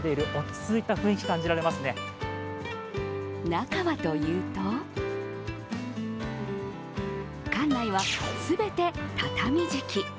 中はというと館内は全て畳敷き。